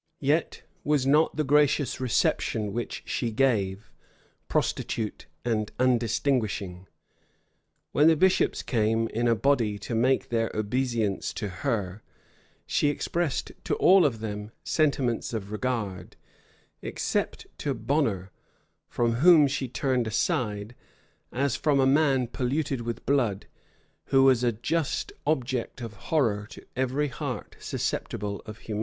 [] Yet was not the gracious reception which she gave, prostitute and undistinguishing. When the bishops came in a body to make their obeisance to her, she expressed to all of them sentiments of regard; except to Bonner, from whom she turned aside, as from a man polluted with blood, who was a just object of horror to every heart susceptible of humanity.